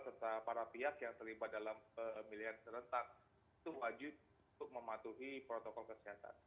serta para pihak yang terlibat dalam pemilihan serentak itu wajib untuk mematuhi protokol kesehatan